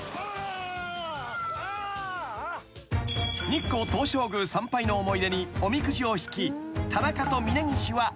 ［日光東照宮参拝の思い出におみくじを引き］